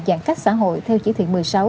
giãn cách xã hội theo chỉ thị một mươi sáu